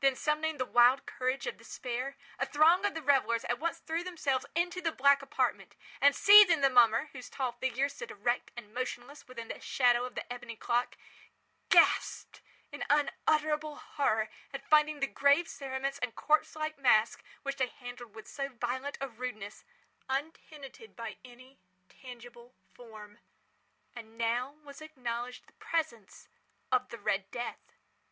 Then, summoning the wild courage of despair, a throng of the revellers at once threw themselves into the black apartment, and, seizing the mummer, whose tall figure stood erect and motionless within the shadow of the ebony clock, gasped in unutterable horror at finding the grave cerements and corpse like mask, which they handled with so violent a rudeness, untenanted by any tangible form. And now was acknowledged the presence of the Red Death.